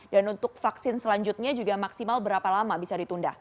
dan untuk vaksin selanjutnya juga maksimal berapa lama bisa ditunda